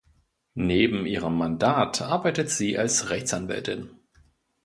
Neben ihrem Mandat arbeitet sie als Rechtsanwältin.